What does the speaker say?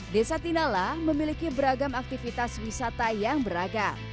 desa tinala memiliki beragam aktivitas wisata yang beragam